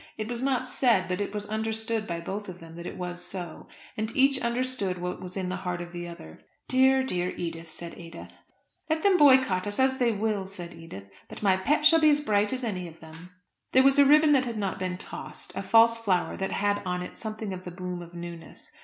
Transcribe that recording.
It was not said, but it was understood by both of them that it was so; and each understood what was in the heart of the other. "Dear, dear Edith," said Ada. "Let them boycott us as they will," said Edith, "but my pet shall be as bright as any of them." There was a ribbon that had not been tossed, a false flower that had on it something of the bloom of newness.